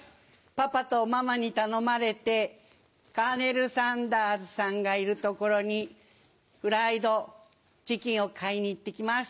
パパとママに頼まれてカーネル・サンダースさんがいる所にフライドチキンを買いに行って来ます。